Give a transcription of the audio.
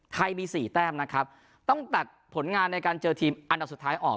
มี๔แต้มนะครับต้องตัดผลงานในการเจอทีมอันดับสุดท้ายออก